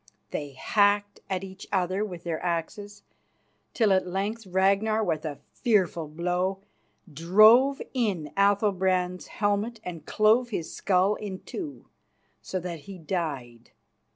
They hacked at each other with their axes, till at length Ragnar, with a fearful blow, drove in Athalbrand's helmet and clove his skull in two, so that he died.